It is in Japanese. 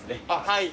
はい。